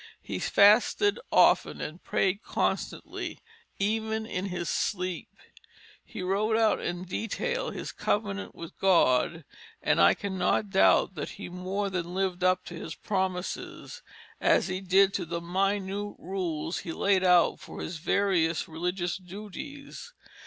He fasted often and prayed constantly even in his sleep. He wrote out in detail his covenant with God, and I cannot doubt that he more than lived up to his promises, as he did to the minute rules he laid out for his various religious duties.